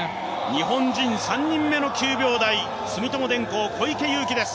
日本人３人目の９秒台住友電工・小池祐貴です。